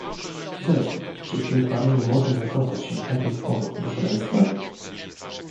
"Zresztą, czy w tym Paryżu można zakochać się tak jak on do szaleństwa?"